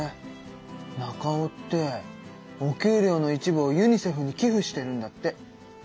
ナカオってお給料の一部をユニセフに寄付してるんだって！